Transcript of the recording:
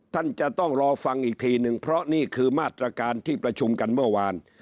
ท่านจะต้องรอฟังอีกทีนึงเพราะนี่คือมาตรการที่ประชุมกันเมื่อวาน